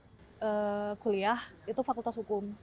karena basic kuliah itu fakultas hukum